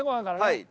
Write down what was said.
はい。